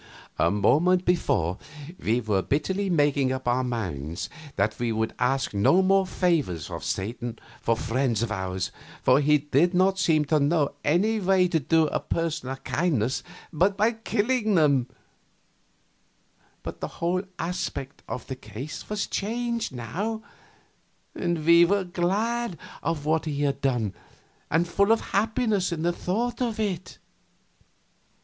A moment before we were bitterly making up our minds that we would ask no more favors of Satan for friends of ours, for he did not seem to know any way to do a person a kindness but by killing him; but the whole aspect of the case was changed now, and we were glad of what we had done and full of happiness in the thought of it.